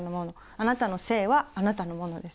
あなたの性はあなたのものです。